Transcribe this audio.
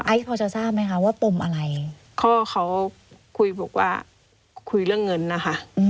พอจะทราบไหมคะว่าปมอะไรพ่อเขาคุยบอกว่าคุยเรื่องเงินนะคะ